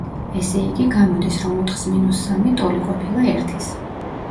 ესე იგი, გამოდის, რომ ოთხს მინუს სამი ტოლი ყოფილა ერთის.